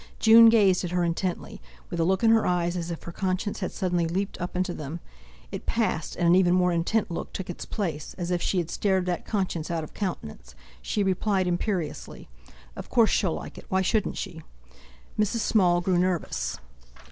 June gazed at her intently, with a look in her eyes as if her conscience had suddenly leaped up into them; it passed; and an even more intent look took its place, as if she had stared that conscience out of countenance. She replied imperiously: "Of course she'll like it; why shouldn't she?" Mrs. Small grew nervous.